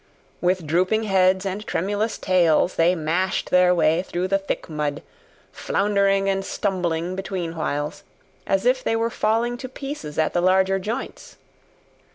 With drooping heads and tremulous tails, they mashed their way through the thick mud, floundering and stumbling between whiles, as if they were falling to pieces at the larger joints.